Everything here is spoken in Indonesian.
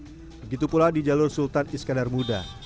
begitu pula di jalur sultan iskandar muda